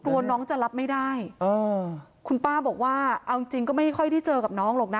กลัวน้องจะรับไม่ได้คุณป้าบอกว่าเอาจริงจริงก็ไม่ค่อยได้เจอกับน้องหรอกนะ